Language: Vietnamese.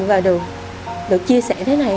và được chia sẻ thế này